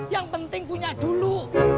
yang penting punya dulu